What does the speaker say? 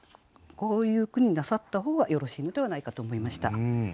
こういう句になさった方がよろしいのではないかと思いました。